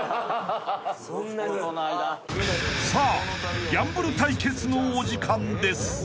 ［さあギャンブル対決のお時間です］